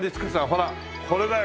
ほらこれだよ